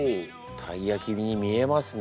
たいやきに見えますね。